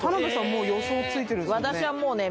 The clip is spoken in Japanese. もう予想ついてるんですよね？